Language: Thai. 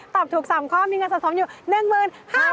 ตอบถูก๓ข้อมีเงินสะสมอยู่๑๕๐๐บาท